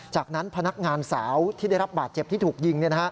จากนั้นพนักงานสาวที่ได้รับบาดเจ็บที่ถูกยิง